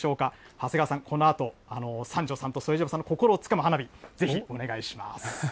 長谷川さん、このあと、三條さんと副島さんの心をつかむ花火、ぜひお願いします。